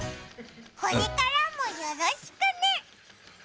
これからもよろしくね！